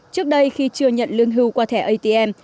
trước đây khi chưa nhận lương hưu qua thẻ atm